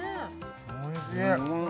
おいしい